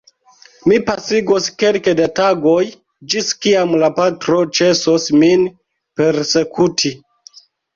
Mi pasigos kelke da tagoj, ĝis kiam la patro ĉesos min persekuti.